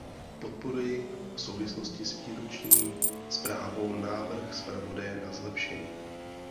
Podporuji v souvislosti s výroční zprávou návrh zpravodaje na zlepšení.